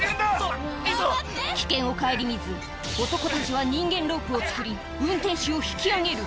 危険を顧みず、男たちは人間ロープを作り、運転手を引き上げる。